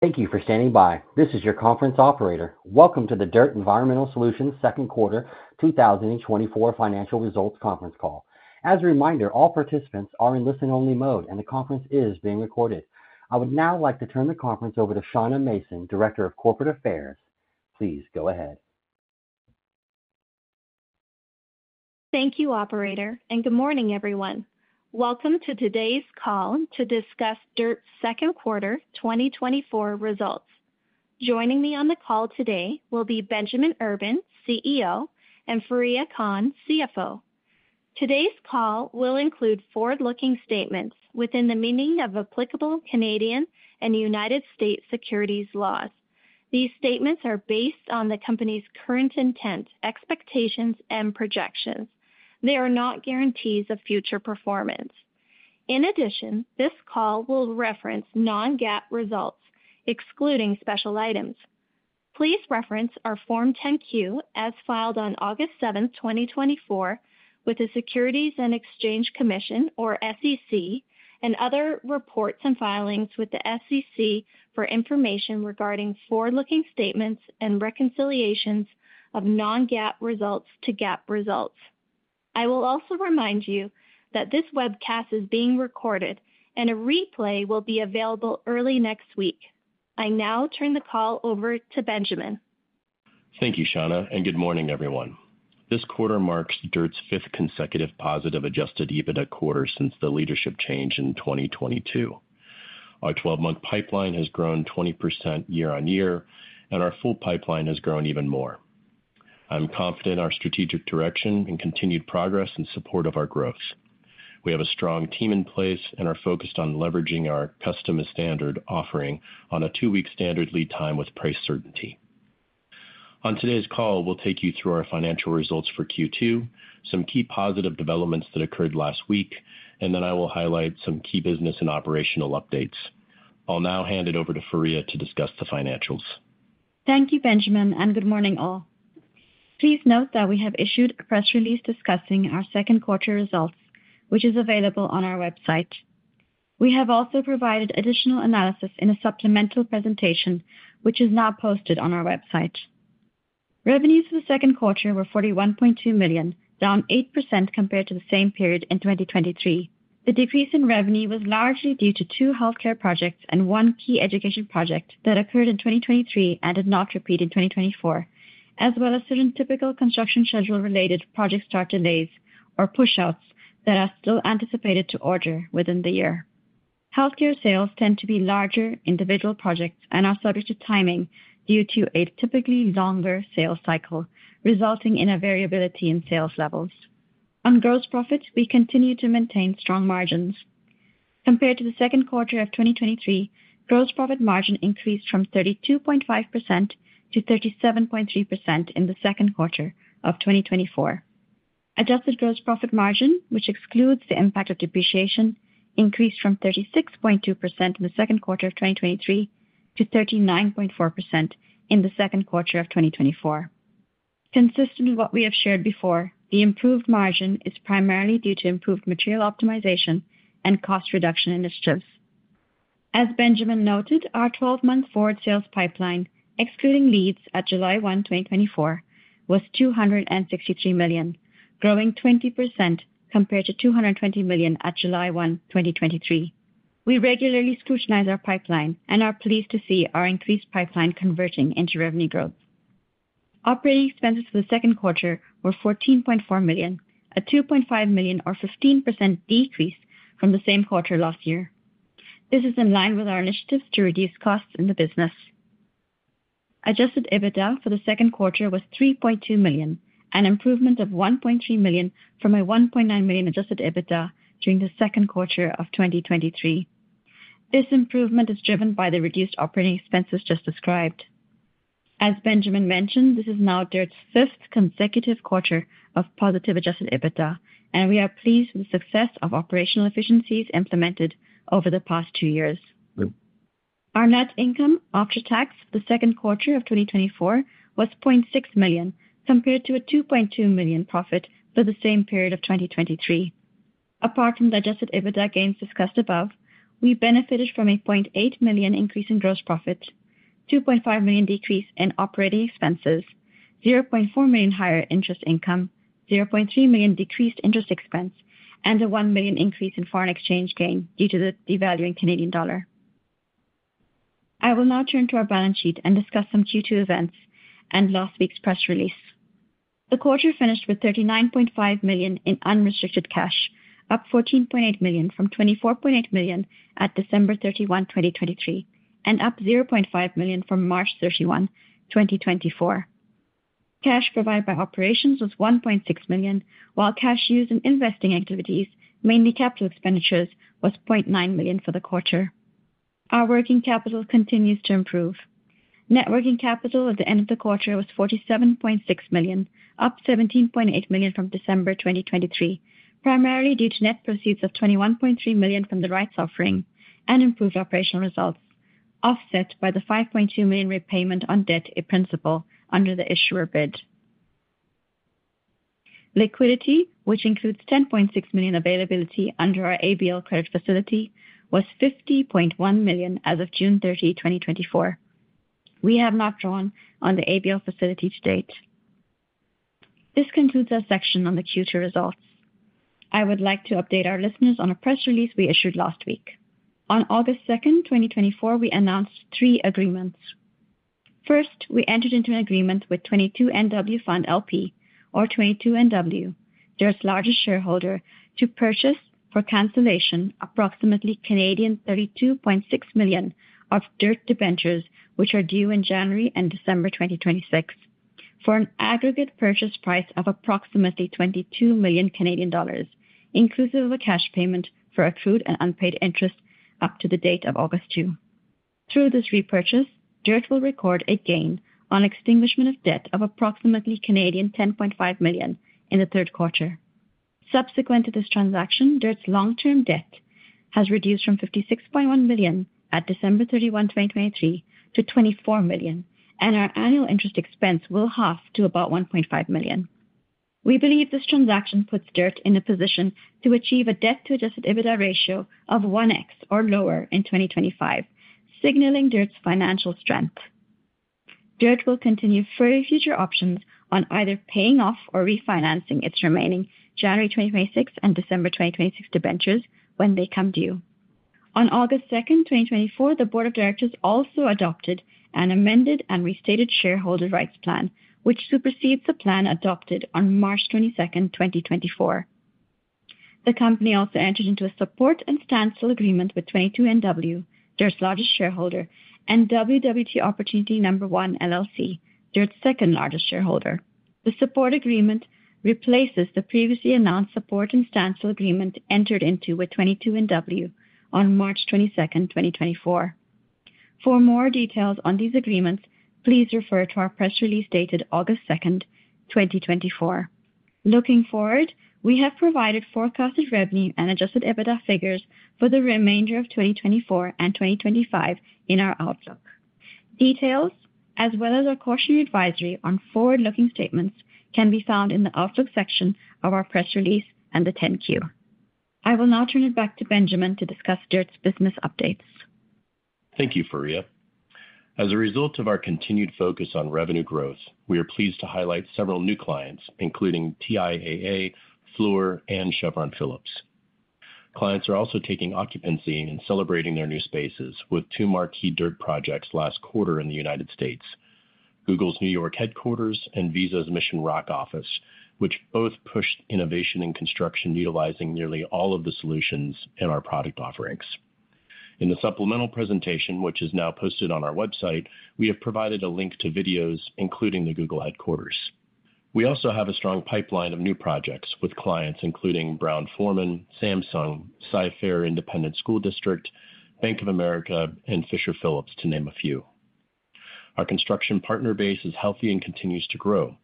Thank you for standing by. This is your conference operator. Welcome to the DIRTT Environmental Solutions second quarter 2024 financial results conference call. As a reminder, all participants are in listen-only mode, and the conference is being recorded. I would now like to turn the conference over to Shauna Mason, Director of Corporate Affairs. Please go ahead. Thank you, operator, and good morning, everyone. Welcome to today's call to discuss DIRTT's second quarter 2024 results. Joining me on the call today will be Benjamin Urban, CEO, and Fareeha Khan, CFO. Today's call will include forward-looking statements within the meaning of applicable Canadian and United States securities laws. These statements are based on the company's current intent, expectations, and projections. They are not guarantees of future performance. In addition, this call will reference non-GAAP results, excluding special items. Please reference our Form 10-Q, as filed on August 7, 2024, with the Securities and Exchange Commission, or SEC, and other reports and filings with the SEC for information regarding forward-looking statements and reconciliations of non-GAAP results to GAAP results. I will also remind you that this webcast is being recorded, and a replay will be available early next week. I now turn the call over to Benjamin. Thank you, Shauna, and good morning, everyone. This quarter marks DIRTT's fifth consecutive positive adjusted EBITDA quarter since the leadership change in 2022. Our 12-month pipeline has grown 20% year-on-year, and our full pipeline has grown even more. I'm confident in our strategic direction and continued progress in support of our growth. We have a strong team in place and are focused on leveraging our custom standard offering on a 2-week standard lead time with price certainty. On today's call, we'll take you through our financial results for Q2, some key positive developments that occurred last week, and then I will highlight some key business and operational updates. I'll now hand it over to Fareeha to discuss the financials. Thank you, Benjamin, and good morning, all. Please note that we have issued a press release discussing our second quarter results, which is available on our website. We have also provided additional analysis in a supplemental presentation, which is now posted on our website. Revenues for the second quarter were $41.2 million, down 8% compared to the same period in 2023. The decrease in revenue was largely due to two healthcare projects and one key education project that occurred in 2023 and did not repeat in 2024, as well as certain typical construction schedule-related project start delays or pushouts that are still anticipated to order within the year. Healthcare sales tend to be larger individual projects and are subject to timing due to a typically longer sales cycle, resulting in a variability in sales levels. On gross profits, we continue to maintain strong margins. Compared to the second quarter of 2023, gross profit margin increased from 32.5%-37.3% in the second quarter of 2024. Adjusted gross profit margin, which excludes the impact of depreciation, increased from 36.2% in the second quarter of 2023 to 39.4% in the second quarter of 2024. Consistent with what we have shared before, the improved margin is primarily due to improved material optimization and cost reduction initiatives. As Benjamin noted, our twelve-month forward sales pipeline, excluding leads at July 1, 2024, was $263 million, growing 20% compared to $220 million at July 1, 2023. We regularly scrutinize our pipeline and are pleased to see our increased pipeline converting into revenue growth. Operating expenses for the second quarter were $14.4 million, a $2.5 million or 15% decrease from the same quarter last year. This is in line with our initiatives to reduce costs in the business. Adjusted EBITDA for the second quarter was $3.2 million, an improvement of $1.3 million from a $1.9 million Adjusted EBITDA during the second quarter of 2023. This improvement is driven by the reduced operating expenses just described. As Benjamin mentioned, this is now DIRTT's fifth consecutive quarter of positive Adjusted EBITDA, and we are pleased with the success of operational efficiencies implemented over the past two years. Our net income after tax for the second quarter of 2024 was $0.6 million, compared to a $2.2 million profit for the same period of 2023. Apart from the Adjusted EBITDA gains discussed above, we benefited from a $0.8 million increase in gross profit, $2.5 million decrease in operating expenses, $0.4 million higher interest income, $0.3 million decreased interest expense, and a $1 million increase in foreign exchange gain due to the devaluing Canadian dollar. I will now turn to our balance sheet and discuss some Q2 events and last week's press release. The quarter finished with $39.5 million in unrestricted cash, up $14.8 million from $24.8 million at December 31, 2023, and up $0.5 million from March 31, 2024. Cash provided by operations was $1.6 million, while cash used in investing activities, mainly capital expenditures, was $0.9 million for the quarter. Our working capital continues to improve. Net working capital at the end of the quarter was $47.6 million, up $17.8 million from December 2023, primarily due to net proceeds of $21.3 million from the rights offering and improved operational results, offset by the $5.2 million repayment on debt principal under the issuer bid. Liquidity, which includes $10.6 million availability under our ABL credit facility, was $50.1 million as of June 30, 2024. We have not drawn on the ABL facility to date. This concludes our section on the Q2 results. I would like to update our listeners on a press release we issued last week. On August 2, 2024, we announced three agreements. First, we entered into an agreement with 22NW Fund LP, or 22NW, DIRTT's largest shareholder, to purchase for cancellation approximately 32.6 million of DIRTT debentures, which are due in January and December 2026, for an aggregate purchase price of approximately 22 million Canadian dollars, inclusive of a cash payment for accrued and unpaid interest up to the date of August 2. Through this repurchase, DIRTT will record a gain on extinguishment of debt of approximately 10.5 million in the third quarter. Subsequent to this transaction, DIRTT's long-term debt has reduced from $56.1 million at December 31, 2023, to $24 million, and our annual interest expense will halve to about $1.5 million. We believe this transaction puts DIRTT in a position to achieve a debt-to-adjusted EBITDA ratio of 1x or lower in 2025, signaling DIRTT's financial strength. DIRTT will continue further future options on either paying off or refinancing its remaining January 2026 and December 2026 debentures when they come due. On August 2, 2024, the board of directors also adopted an amended and restated shareholder rights plan, which supersedes the plan adopted on March 22, 2024. The company also entered into a support and standstill agreement with 22NW, DIRTT's largest shareholder, and WWT Opportunity #1 LLC, DIRTT's second-largest shareholder. The support agreement replaces the previously announced support and standstill agreement entered into with 22NW on March 22, 2024. For more details on these agreements, please refer to our press release dated August 2, 2024. Looking forward, we have provided forecasted revenue and Adjusted EBITDA figures for the remainder of 2024 and 2025 in our outlook. Details, as well as our cautionary advisory on forward-looking statements, can be found in the Outlook section of our press release and the 10-Q. I will now turn it back to Benjamin to discuss DIRTT's business updates. Thank you, Fareeha. As a result of our continued focus on revenue growth, we are pleased to highlight several new clients, including TIAA, Fluor, and Chevron Phillips. Clients are also taking occupancy and celebrating their new spaces with two marquee DIRTT projects last quarter in the United States: Google's New York headquarters and Visa's Mission Rock office, which both pushed innovation in construction, utilizing nearly all of the solutions in our product offerings. In the supplemental presentation, which is now posted on our website, we have provided a link to videos, including the Google headquarters. We also have a strong pipeline of new projects with clients including Brown-Forman, Samsung, Cy-Fair Independent School District, Bank of America, and Fisher Phillips, to name a few. Our construction partner base is healthy and continues to grow.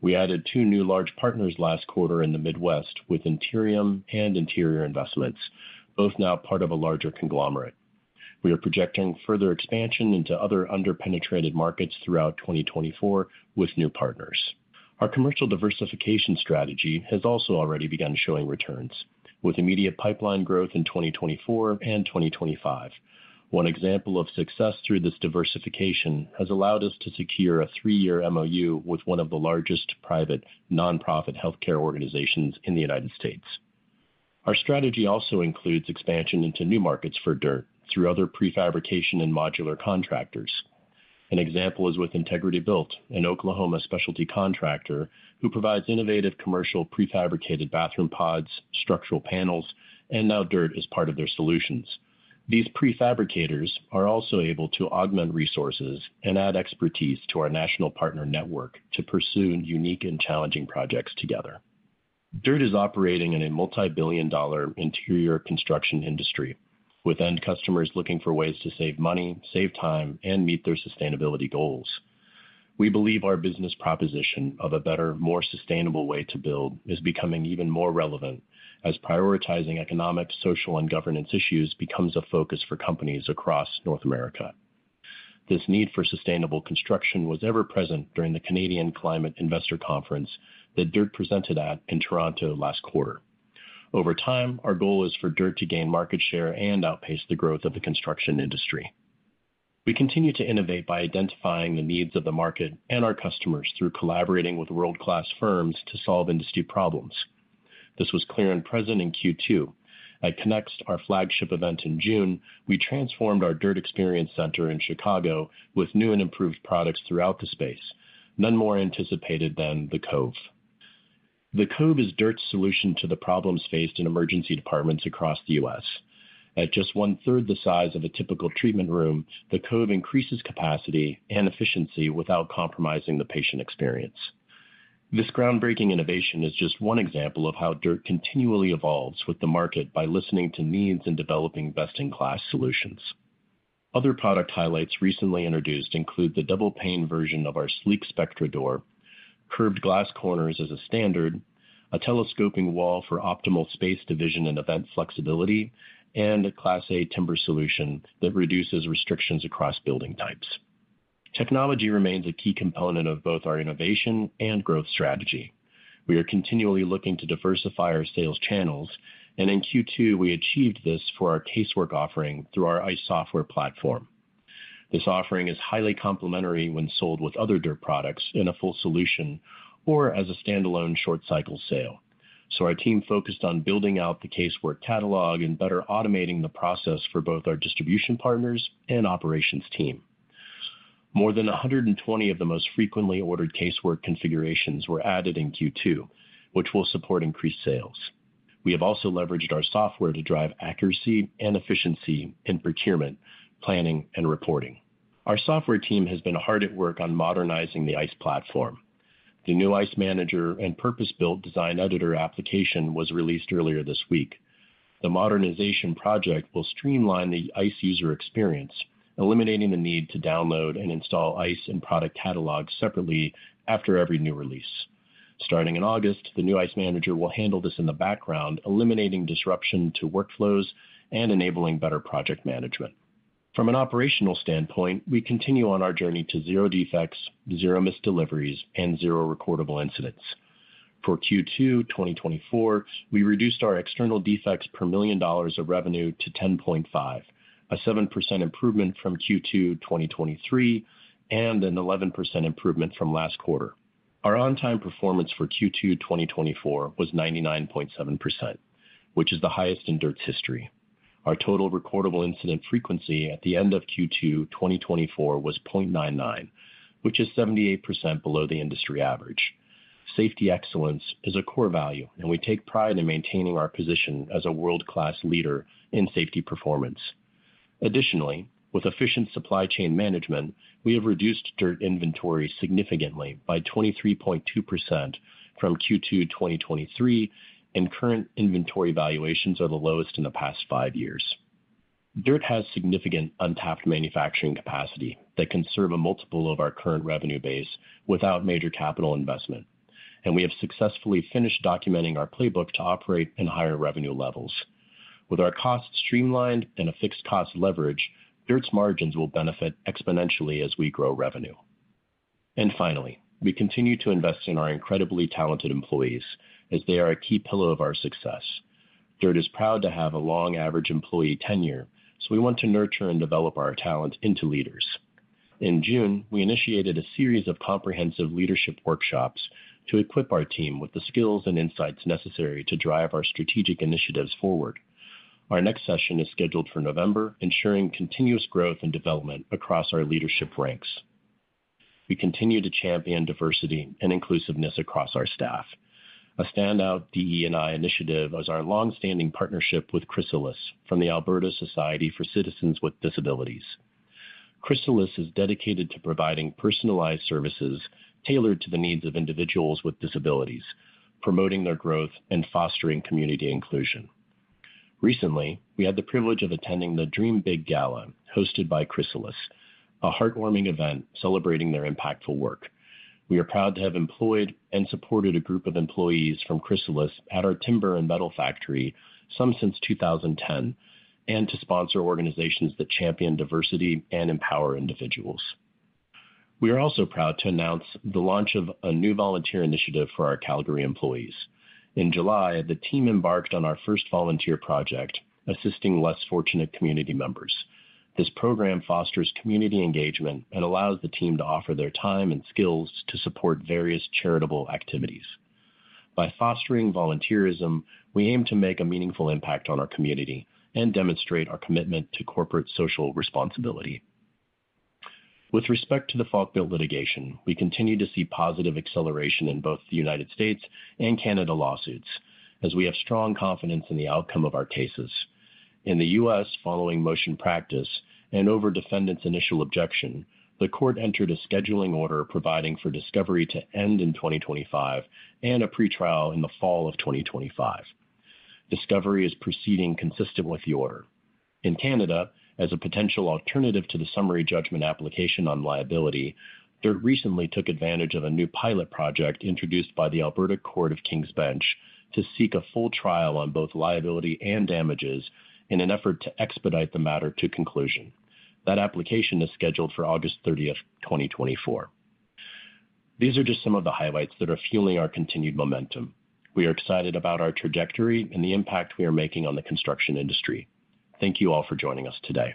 We added two new large partners last quarter in the Midwest with Intereum and Interior Investments, both now part of a larger conglomerate. We are projecting further expansion into other underpenetrated markets throughout 2024 with new partners. Our commercial diversification strategy has also already begun showing returns, with immediate pipeline growth in 2024 and 2025. One example of success through this diversification has allowed us to secure a three-year MOU with one of the largest private nonprofit healthcare organizations in the United States. Our strategy also includes expansion into new markets for DIRTT through other prefabrication and modular contractors. An example is with Integrity Built, an Oklahoma specialty contractor who provides innovative commercial prefabricated bathroom pods, structural panels, and now DIRTT as part of their solutions. These prefabricators are also able to augment resources and add expertise to our national partner network to pursue unique and challenging projects together. DIRTT is operating in a multi-billion dollar interior construction industry, with end customers looking for ways to save money, save time, and meet their sustainability goals. We believe our business proposition of a better, more sustainable way to build is becoming even more relevant as prioritizing economic, social, and governance issues becomes a focus for companies across North America. This need for sustainable construction was ever present during the Canadian Climate Investor Conference that DIRTT presented at in Toronto last quarter. Over time, our goal is for DIRTT to gain market share and outpace the growth of the construction industry. We continue to innovate by identifying the needs of the market and our customers through collaborating with world-class firms to solve industry problems. This was clear and present in Q2. At ConneX, our flagship event in June, we transformed our DIRTT Experience Center in Chicago with new and improved products throughout the space, none more anticipated than the Cove. The Cove is DIRTT's solution to the problems faced in emergency departments across the U.S. At just one-third the size of a typical treatment room, the Cove increases capacity and efficiency without compromising the patient experience. This groundbreaking innovation is just one example of how DIRTT continually evolves with the market by listening to needs and developing best-in-class solutions. Other product highlights recently introduced include the double-pane version of our sleek Spectra door, curved glass corners as a standard, a telescoping wall for optimal space division and event flexibility, and a Class A timber solution that reduces restrictions across building types. Technology remains a key component of both our innovation and growth strategy. We are continually looking to diversify our sales channels, and in Q2, we achieved this for our casework offering through our ICE software platform. This offering is highly complementary when sold with other DIRTT products in a full solution or as a standalone short-cycle sale. So our team focused on building out the casework catalog and better automating the process for both our distribution partners and operations team. More than 120 of the most frequently ordered casework configurations were added in Q2, which will support increased sales. We have also leveraged our software to drive accuracy and efficiency in procurement, planning, and reporting. Our software team has been hard at work on modernizing the ICE platform. The new ICE Manager and purpose-built design editor application was released earlier this week. The modernization project will streamline the ICE user experience, eliminating the need to download and install ICE and product catalogs separately after every new release. Starting in August, the new ICE Manager will handle this in the background, eliminating disruption to workflows and enabling better project management. From an operational standpoint, we continue on our journey to zero defects, zero missed deliveries, and 0 recordable incidents. For Q2 2024, we reduced our external defects per $1 million of revenue to 10.5, a 7% improvement from Q2 2023, and an 11% improvement from last quarter. Our on-time performance for Q2 2024 was 99.7%, which is the highest in DIRTT's history. Our total recordable incident frequency at the end of Q2 2024 was 0.99, which is 78% below the industry average. Safety excellence is a core value, and we take pride in maintaining our position as a world-class leader in safety performance. Additionally, with efficient supply chain management, we have reduced DIRTT inventory significantly by 23.2% from Q2 2023, and current inventory valuations are the lowest in the past five years. DIRTT has significant untapped manufacturing capacity that can serve a multiple of our current revenue base without major capital investment, and we have successfully finished documenting our playbook to operate in higher revenue levels. With our costs streamlined and a fixed cost leverage, DIRTT's margins will benefit exponentially as we grow revenue. And finally, we continue to invest in our incredibly talented employees as they are a key pillar of our success. DIRTT is proud to have a long average employee tenure, so we want to nurture and develop our talent into leaders. In June, we initiated a series of comprehensive leadership workshops to equip our team with the skills and insights necessary to drive our strategic initiatives forward. Our next session is scheduled for November, ensuring continuous growth and development across our leadership ranks. We continue to champion diversity and inclusiveness across our staff. A standout DE&I initiative is our long-standing partnership with Chrysalis from the Alberta Society for Citizens with Disabilities. Chrysalis is dedicated to providing personalized services tailored to the needs of individuals with disabilities, promoting their growth and fostering community inclusion. Recently, we had the privilege of attending the Dream Big Gala, hosted by Chrysalis, a heartwarming event celebrating their impactful work. We are proud to have employed and supported a group of employees from Chrysalis at our timber and metal factory, some since 2010, and to sponsor organizations that champion diversity and empower individuals. We are also proud to announce the launch of a new volunteer initiative for our Calgary employees. In July, the team embarked on our first volunteer project, assisting less fortunate community members. This program fosters community engagement and allows the team to offer their time and skills to support various charitable activities. By fostering volunteerism, we aim to make a meaningful impact on our community and demonstrate our commitment to corporate social responsibility. With respect to the Falkbuilt litigation, we continue to see positive acceleration in both the United States and Canada lawsuits, as we have strong confidence in the outcome of our cases. In the U.S., following motion practice and over defendant's initial objection, the court entered a scheduling order providing for discovery to end in 2025 and a pretrial in the fall of 2025. Discovery is proceeding consistent with the order. In Canada, as a potential alternative to the summary judgment application on liability, DIRTT recently took advantage of a new pilot project introduced by the Alberta Court of King's Bench to seek a full trial on both liability and damages in an effort to expedite the matter to conclusion. That application is scheduled for August thirtieth, 2024. These are just some of the highlights that are fueling our continued momentum. We are excited about our trajectory and the impact we are making on the construction industry. Thank you all for joining us today.